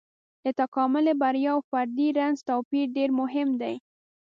د تکاملي بریا او فردي رنځ توپير ډېر مهم دی.